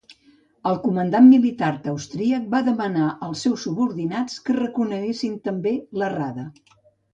El comandant militar austríac va demanar els seus subordinats que reconeguessin també la Rada.